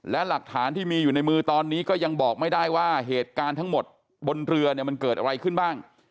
และหลักฐานที่มีอยู่ในมือตอนนี้ก็ยังบอกไม่ได้ว่าเหตุการณ์ทั้งหมดบนเรือเนี่ยมันเกิดอะไรขึ้นบ้าง